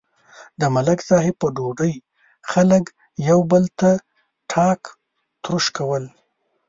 د ملک صاحب په ډوډۍ خلک یو بل ته ټاک تروش کول.